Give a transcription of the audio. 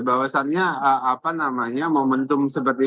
bahwasannya apa namanya momentum seperti